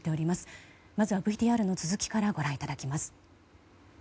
まずはＶＴＲの続きからご覧いただきます。